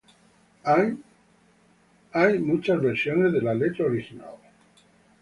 Hay muchas versiones de la letra original.